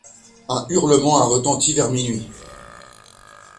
Un hurlement a retenti vers minuit.